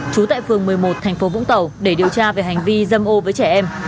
trú tại phường một mươi một tp cà mau để điều tra về hành vi dâm ô với trẻ em